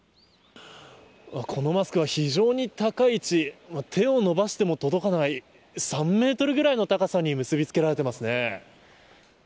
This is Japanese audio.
このマスクは非常に高い位置手を伸ばしても届かない３メートルくらいの高さに結びつけられていますね。